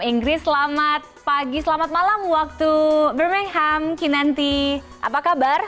inggris selamat pagi selamat malam waktu birmingham kinanti apa kabar